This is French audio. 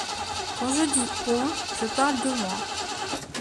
Quand je dis « on », je parle de moi.